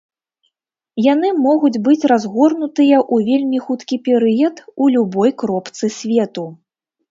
Яны могуць быць разгорнутыя ў вельмі хуткі перыяд у любой кропцы свету.